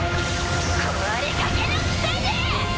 壊れかけのくせに！